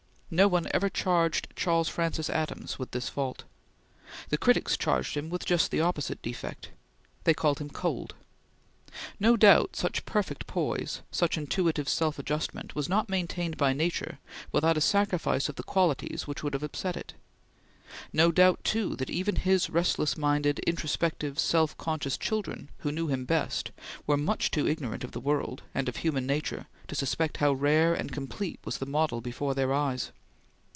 No one ever charged Charles Francis Adams with this fault. The critics charged him with just the opposite defect. They called him cold. No doubt, such perfect poise such intuitive self adjustment was not maintained by nature without a sacrifice of the qualities which would have upset it. No doubt, too, that even his restless minded, introspective, self conscious children who knew him best were much too ignorant of the world and of human nature to suspect how rare and complete was the model before their eyes.